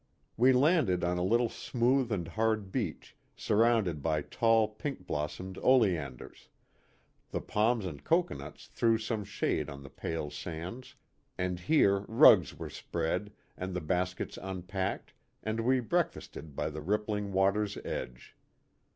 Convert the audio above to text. We landed on a little smooth and hard beach, surrounded by tall pink blossomed oleanders ; the palms and cocoanuts threw some shade on the pale sands, and here rugs were spread and the baskets unpacked and we breakfasted by the rippling water's edge.